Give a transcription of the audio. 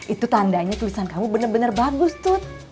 itu tandanya tulisan kamu bener bener bagus tut